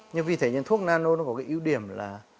nhưng vì thế những thuốc nano nó có cái ưu điểm là